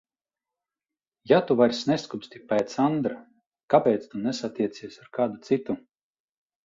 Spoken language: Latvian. Ja tu vairs neskumsti pēc Andra, kāpēc tu nesatiecies ar kādu citu?